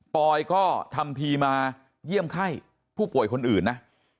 อยก็ทำทีมาเยี่ยมไข้ผู้ป่วยคนอื่นนะ